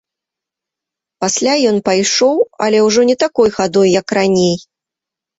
Пасля ён пайшоў, але ўжо не такой хадой, як раней.